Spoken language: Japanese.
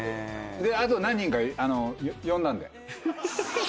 あと何人か呼んだんで。